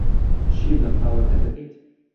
شیر لە قاوەکەت دەکەیت؟